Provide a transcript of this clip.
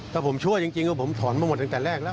ถ้าผมชั่วจริงก็ผมถอนมาหมดตั้งแต่แรกแล้ว